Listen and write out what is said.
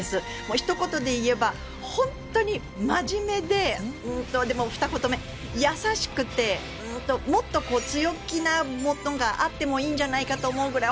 ひと言でいえば本当に真面目ででも、ふた言目、優しくてもっと強気なものがあってもいいんじゃないかと思うくらい